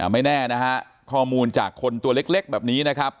ไม่แน่นะฮะข้อมูลจากคนตัวเล็กแบบนี้นะครับ